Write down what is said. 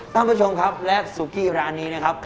ท่านผู้ชมครับและสุกี้ร้านนี้นะครับ